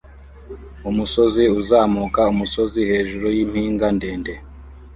Umusozi uzamuka umusozi hejuru yimpinga ndende